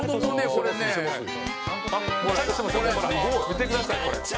「見てくださいこれ」